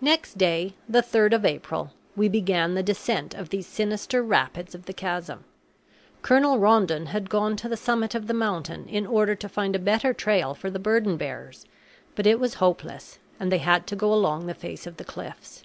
Next day, the 3rd of April, we began the descent of these sinister rapids of the chasm. Colonel Rondon had gone to the summit of the mountain in order to find a better trail for the burden bearers, but it was hopeless, and they had to go along the face of the cliffs.